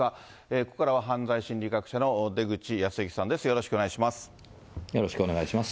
ここからは犯罪心理学者の出口保行さんです、よろしくお願いしまよろしくお願いします。